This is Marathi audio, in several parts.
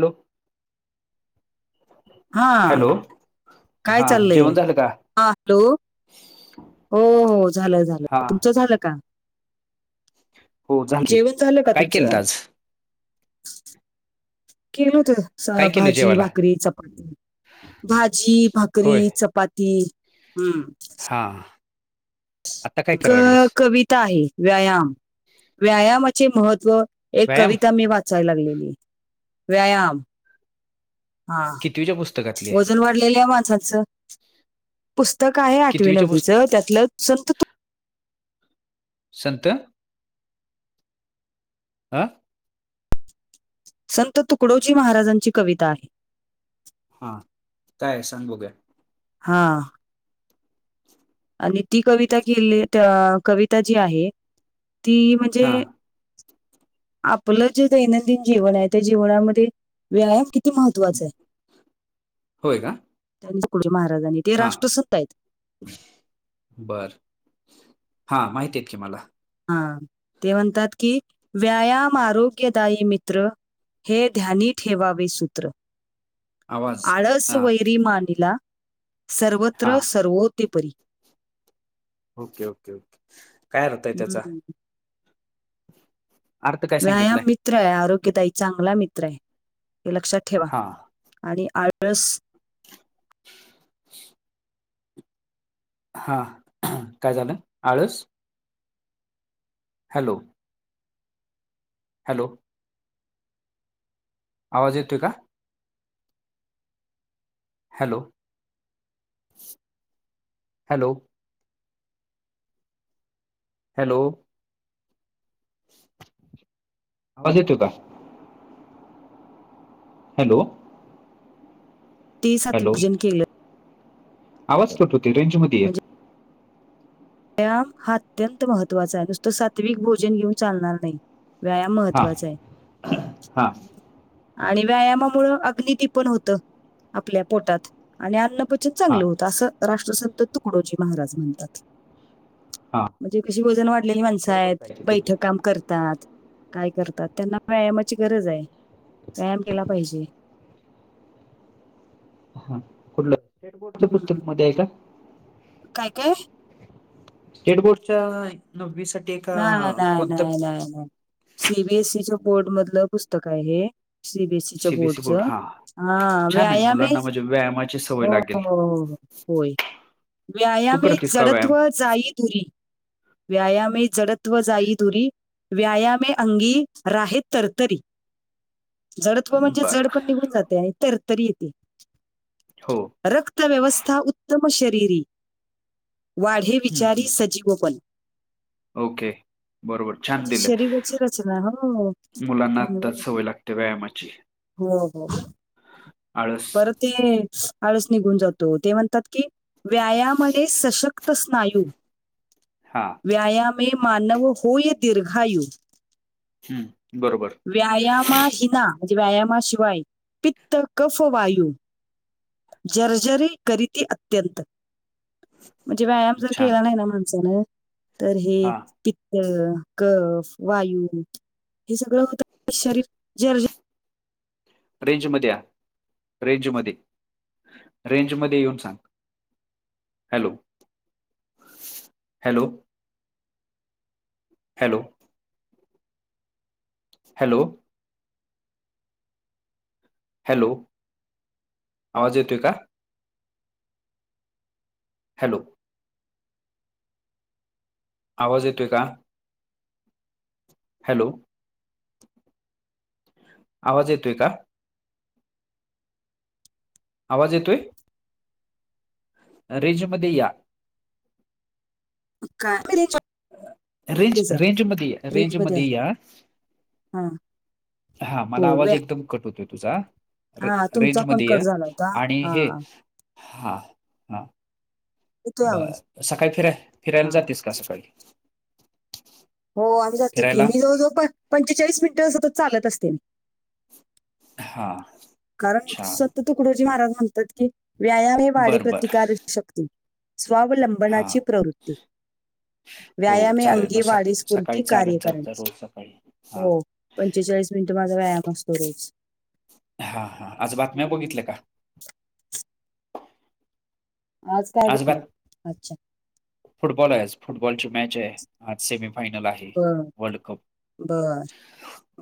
लो हा काय हा चाललंय जेवण झालं का हा हॅलो हो हो झालं हा झालं तुमचं झालं का हो झालं की जेवत झालं का काय केलंत तुमचं आज केलं होत काय केले भाजी जेवायला भाकरी चपाती भाजी भाकरी होय चपाती हम्म हां क कविता आहे व्यायाम व्यायामाचे महत्त्व एक व्यायाम कविता मी वाचाय लागलेली व्यायाम हा कितवीच्या पुस्तकातली आहे वजन वा मा पुस्तक आहे आ न कितवीच्या पुस्त त्यात संत हा संत तुकडोजी महाराजांची कविता आहे हा काय सांग बो घ्या हा आणि ती कविता केली कविता जी आहे ती हा म्हणजे आपलं जे दैनंदिन जीवन आहे त्या जीवनामध्ये व्यायाम किती ते महत्त्वाच आहे होय का त्यां तुकडोजी महाराजांनी ते हा राष्ट्रसूत आहेत. बर हा माहितीेतेत की मला. हा ते म्हणतात कि व्यायाम आरोग्यदायी मित्र हे ध्यानी ठेवावे सूत्र. आवाज आळस हा वैरी मानिला हा सर्वत्र सर्वो ते परी. ओके ओके ओके काय आर्थ हाय त्याचा. हम्म. अर्थ काय व्यायाम सांगितलाय मित्र आहे आरोग्यदाई चांगला मित्र आहे हे लक्षात ठेवा. हा आणि आळस. हा काय झालं आळस हॅलो. हॅलो. आवाज येतोय का? Hello hello. हॅलो. आवाज येतो का. हॅलो. ती सत हॅलो विभजन आवाज कट हूतोय रेंज मध्ये य. म्हणजे व्यायाम हा अत्यंत महत्वाचा आहे नुसतं सात्विक भोजन घेऊन चालणार नाही. व्यायाम हा महत्वाचा आहे. हा आणि व्यायामामुळे अग्नि ती पण होतं आपल्या पोटात आणि अन्न क्वचित हा चांगलं होतं असं राष्ट्रसंत तुकडोजी महाराज म्हणतात. हा म्हणजे कशी वजन वाढलेली माणसं बरोबर आहेत पाहिजे तू बैठ काम करतात. काय करतात त्यांना व्यायामाची गरज आहे व्यायाम केला पाहिजे. हा कुठलं स्टेट बोर्डच्या हं. पुस्तक मध्ये आहे का? काय काय. स्टेट बोर्डच्या नववी सा नाही नाही नाही नाही नाही सीबीएसईच्या बोर्ड मधलं पुस्तक हाय हे. सी बीएसईच्या सीबीएसई बोर्ड बोर्डचं हा हा छान आहे व्यायाम मुलांना म्हणजे व्यायामाची सवय हो हो लागेल हो. होय तू व्यायामे करतेस का व्यायाम जडत्व जाई दुरी व्यायामे जडत्व जाई दुरी व्यायामे अंगी राहे तरतरी. जडत्व म्हणजे बर जड पण निघून जाते आणि तर तरी येते. हो. रक्त व्यवस्था उत्तम शरीरी वाढे हम्म, विचारी हम्म. सजीवपण. ओके. बरोबर छान म्हणजे दिलं शरीराची रचना हो मुलांना चांगलं आत्ताच आहे. सवय लागते व्यायामाची. हो हो. आळस. बर ते आळस निघून जातो ते म्हणतात की व्यायामने सशक्त स्नायू हां. व्यायामे मानव होय दीर्घायु. हम्म बरोबर. व्यायामाहिना म्हणजे व्यायामाशिवाय पित्त कफ वायू जर्जरी करीती अत्यंत. म्हणजे व्यायाम जर छान केला नाही ना माणसान तर हे हा पित्त कफ वायू हे सगळं होत शरीर जर्जर रेंज मध्ये या रेंज मध्ये रेंज मध्ये येऊन सांग. Hello hello. Hello hello hello आवाज येतोय का? हॅलो आवाज येतोय का? हॅलो आवाज येतोय का? आवाज येतोय रेजमध्ये या अ का रेंज रेंज मध्ये रेंज मध्ये या हा हा मला हो आवाज व्या- एकदम कट होतोय तुझा े हा तुमचा रेंज पण मध्ये कट झाला आहे होता आणि हा हे हा येतोय ब आवाज सकाळी फिराय फिरायला हा जातेस का सकाळी हो आम्ही जातो की फिरायला मी जवळ जवळ पंचेचाळीस मिनिटं सतत चालत असते. हां कारण सत तुकडोजी महाराज म्हणतात की व्यायाम हे वाडे बरं बरं प्रतिकार शक्ती हा स्वावलंबनाची प्रवृत्ती हो व्यायामे चालेल मग सक अंगीवाढी सकाळी स्फूर्ती कार्य चालत जात जा करणेस रोज सकाळी. हा हो पंचेचाळीस मिनिट माझा व्यायाम असतो रोज हा हा आज बातम्या हम्म. बघितल्या का? आज काय बदलत अच्छा फुटबॉल आहे फुटबॉलची मॅच आहे आज सेमीफायनल आहे वर्ल्ड कप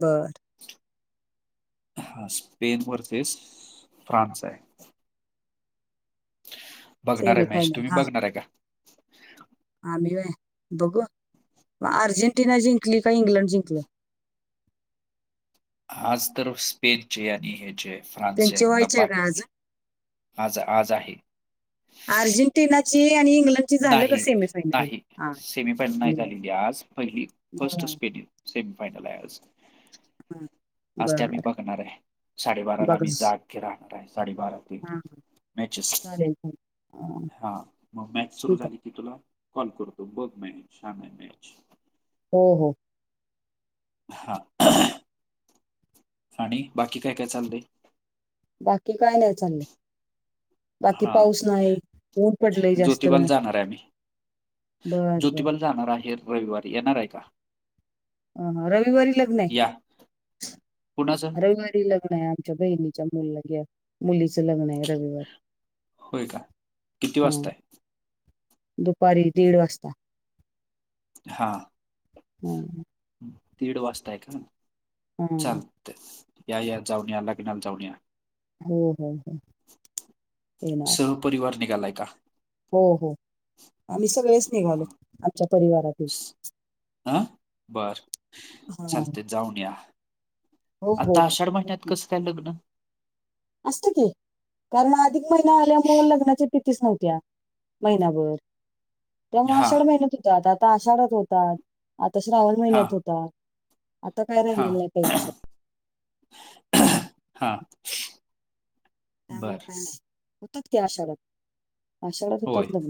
बरं हा स्पेन वरचेच फ्रान्स आहे. बघणार आहे मॅच. सेमीफायनल तुम्ही हा बघणार आहे का? आम्ही बघू अर्जेंटिना जिंकली का इंग्लंड जिंकलं? आज तर स्पेनचे आणि हे ज फ्रान्सचे त्यांचे मला व्हायचे बाकी का आज आज आज आहे. अर्जेंटिनाची आणि इंग्लंड नाही नाही सेमीफायनल नाही झालेली आज पहिली फर्स्ट बर स्पेनत सेमीफायनल आहे आज आज ते आम्ही बर बघणार आहे साडेबारा ला बघ मी जागे राहणार आहे साडेबारा ते मॅचेस चाले हा मग मॅच सुरू झाली की तुला कॉल करतो बघ मॅच छान आहे मॅच हो हो हा. आणि बाकी काय काय चाललंय? बाकी काय नाही चालले बाकी हा पाऊस नाही ऊन पडलय जास्त ज्योतिबाला जाणार आहे आम्ही बर ज्योतिबाला जाणार आहे रविवारी येणार आहे का? अ रविवारी लग्न आहे. या कुणा गडी लग्न आहे आमच्या बहिणीच्या मुलला घ्या मुलीच लग्न आहे रविवार होय का किती हम वाजता आहे दुपारी दीड वाजता हा हां, दीड वाजताय का हां. चाल या या जाऊन या लग्नाला जाऊन या हो हो हो येणार. सहपरिवार निघालाय का? हो हो आम्ही सगळेच निघाले हा. आमच्या परिवारातील स- हा बर हां. चालते जाऊन या हो, हो, आता हो. आषाढ महिन्यात कसं का लगना असत की कारण अधिक महिना आल्यामुळे लग्नाच्या भितीच नव्हत्या महिना्याभर तेमुळे हा आषाढ महिन्यात होतात आता आषाढात होतात आता श्रावण हा महिन्यात होता आता काय हा राहिलेलं नाही पहिल्या स हा त्यामुळे बर काय नाही होतच क शरात आषाढात होय होतातलं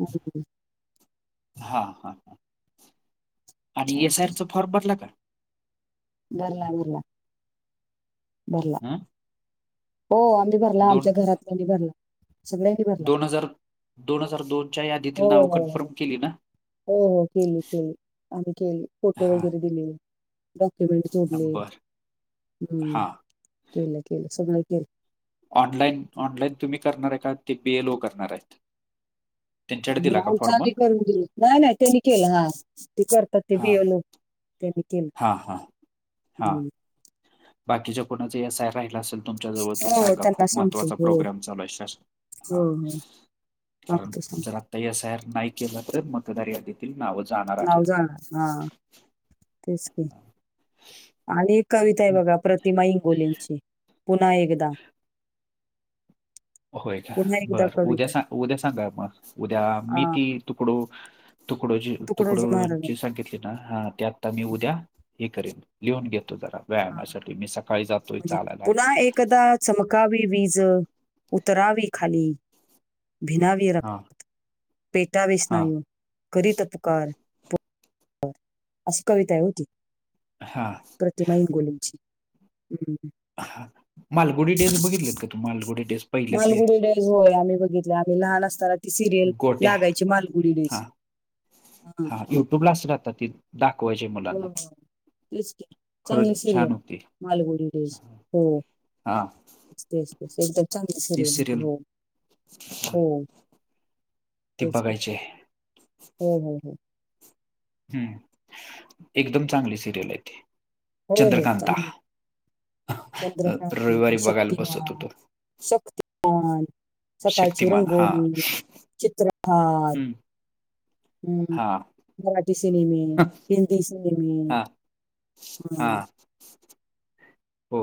म हा हा ह आणिस आयर चालतंय. चचा फॉर्म भरला का बरला बरला भरला हं? हो आम्ही भरला दोन आमच्या घरातल्यानी भरला सगळ्यांनी भर दोन हजार दोन हजार दोनच्या यादीतील हो, नाव हो, हो. कन्फर्म केली ना हो हो केली केली आ केले फोटो हां वगैरे दिलेले डॉक्युमेंट जोडले बरं हम्म हां केलं केलं सगळ केलं ऑनलाईन ऑनलाईन तुम्ही करणार आहे का ते बीएलओ करणार आहेत त्यांच्याकडे दिला का आमच फॉर्म आम्ही करून दिल नाही नाही त्यांनी केलं हा ते करतात ते हां बिय लोक त्यानीख ह हां हां हां बाकीच्या कोणाचाय राहिला असेल तुमच्या जवळ तर हो सांगा त्यांना खूप सांगतो महत्त्वाचा हो प्रोग्राम चालू हा सांते सांगते त सहेर नाही केलं तर मतदार यादीतील नाव जाणार नाव आहेत जाणार हा तेच क आणि कविता आहे बघा प्रतिमा इंगोलींची पुन्हा एकदा होय का पुन्हा एकदा बर उद्या कविता सां उद्या सांगा मग उद्या मी हा ती तुकडो तुकडो तुकडो तुकडोजी महाराजांची सग हा त्या आता मी उद्या हे करेन लिहून घेतो जरा हा व्यायामासाठी मी सकाळी जातोय चालायला कदा चमकावी वीज उतरावी खाली भिनावी हा. पेटावेेस हा नाही येऊन करीत. कर अशी कविता आहे होती. हांा. प्रतिमय गुलीची हम्म. हा मालगुडी टेस्ट बघितलेत का तू मालगुडी टेस्ट पहिल्यातले. मालगुडी डेज होय आम्ही बघितले आम्ही लहान असताना ती सिरियल गोट्या लागायची मालगुडी हा डेच. हा युट्यूब लाच राहात ती दाखवायचे मुलांना हो. तेच चांगले खरंच सिरियल छान आहे होती मालगुडी डेज हो. हा. तेस तेस एकदम चांगली स ती होती सिरियल हो हो. ती तेच की बघायची हो हो हो. हम् एकदम चांगली सिरियल आहे ते चंद्रकांता चंद्रकांतन रविवारी बघायला बसत शक्तिमान होतो शक्तमान सकाळची शक्तिमान हा रंगोली चित्रहार हम्म, हम्म हा मराठी सिनेमे हिंदी सिनेमे हा हा हम. हो.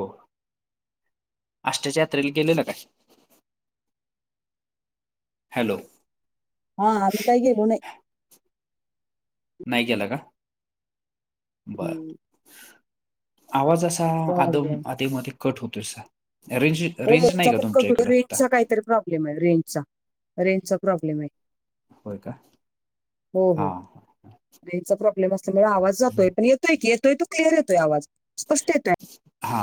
आष्टाच्या यात्रेला गेलेलं काय? हॅलो. हा आम्ही काही गेलो नाही. नाही केला का? हम्म. आवाजा बर बर आदम हो आध म कट होतो रेंज. रेंज नाही होमचा का पण तुमच्या कटू इकडं आता रेंजचा काहीतरी प्रॉब्लेम आहे रेंजचा रेंजचा प्रॉब्लेम आहे. होय काय हां. रेनचा प्रॉब्लेम असल्यामुळे आवाज जातोय पण येतोय की येतोय त क्िअर येतोय आवाज स्पष्ट येतोय. हा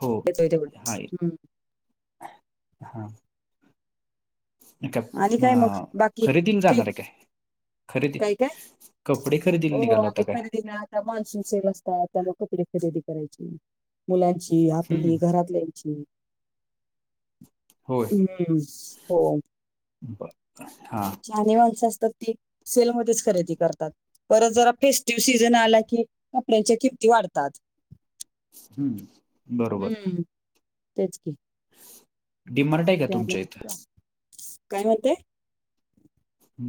हो तेव हा हम्म. हा. का आणि काय मग अ, बाकी खरेदीला जाणार ठीक. आहे काय खरेदी काय काय कपडे खरेदीला हो निघाला होता आणि काय खरदीना माणसून सेल असतात आता मग कुप र खरेदी करायची. मुलांची आपली हम्म घरातल्यांची हम् हो. ब हा. शणी माणसं असतात ती सेलमध्येच खरेदी करतात. परत जरा फेस्टिव सीझन आला की कपड्यांच्या किमती वाढतात हम्म हम्म तेच की डिमर््ट आहे का तुमच्या इथं त्यामुळे काय मते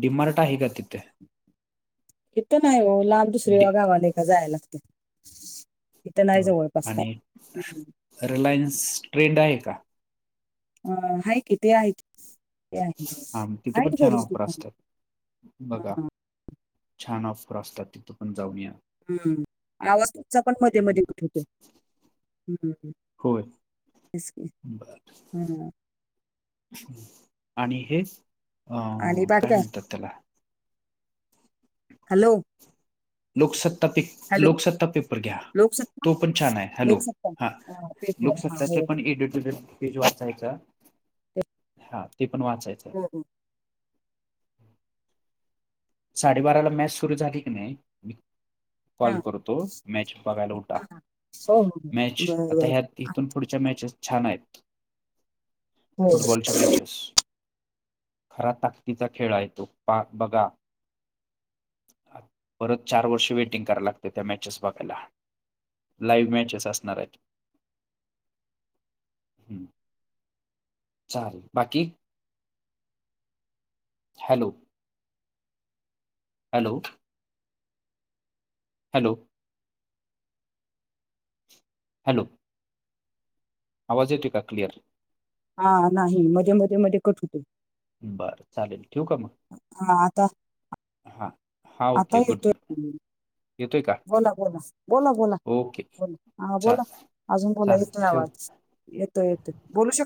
डीिमारटा हीगातिते इ तर नाही हो लांब दुसरे डि गावाने का जायला लागते इथं नाही होय जवळपास काय आणि ह रिलायन्स ट्रेंड आहे का अ आहे कि ते आहे ते आहे हां तिथं पण आहेत छान बरी ऑफर दुकान असतात बघा हा छान ऑफर असतात तिथं पण जाऊन या हम्म आवास्चा पण मध्ये मध्ये कुठवतोय हम्म होय तेच की. बर हम्म. आणि हे अ आ पाठी काय म्हणतात त्याला हॅलो लोकसत्ता पे हॅलो लोकसत्ता पेपर घ्या लोकसत्ता तो पण छान आहे हॅलो लोकसत्ता हा पेपर हा लोकसत्ताचे हो हो पण एडिटड पेज वाचायचा हा ते पण वाचायच हम् साडेबारा ला मॅच सुरू झाली की नाही हा कॉल करतो मॅच बघायला उठा हा, हा. हो हो हो. मॅच बर आता बर ह्या तिथून पुढच्या मॅचेस छान आहेत हो फुटबॉलच्या मॅचेस खरा ताकदीचा खेळ आहे तो पा बघा परत चार वर्ष वेटिंग करावला लागते त्या मॅचेस बघायला लाईव्ह मॅचस असणार चाले बाकी हॅलो हॅलो हॅलो हॅलो आवाजे ट का क्लिअर हा नाही मध्ये मध्ये मध्ये कट होते बरं चालेल ठेवक आहे मग हा आता हा हा आता ओके गुड येतोय ना हम्म. बोला बोला बोला बोला ओके ब हा चा बोला अजून बोला येतो चालेल ठेव आवाज येतो येतो बोलू शक